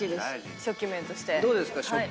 初期メンとして。